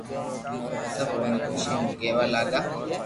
سب اوني خوݾي مون ڪيوا لاگا